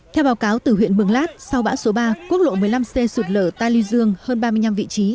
theo báo cáo từ huyện mường lát sau bão số ba quốc lộ một mươi năm c sụt lở ta lưu dương hơn ba mươi năm vị trí